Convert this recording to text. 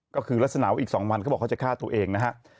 ก็คือลักษณะว่าอีก๒วันเขาบอกเขาจะฆ่าตัวเองนะฮะ